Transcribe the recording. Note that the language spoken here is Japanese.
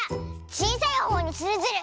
ちいさいほうにするズル！